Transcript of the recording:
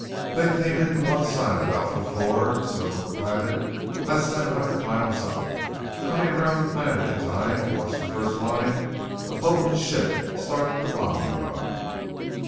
They came in to one side of Alpha IV, and circled the planet less than a hundred miles up, coming around the planet in time to watch the first line of Hoagland's ship start the bombing run.